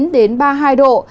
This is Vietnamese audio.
hai mươi chín đến ba mươi hai độ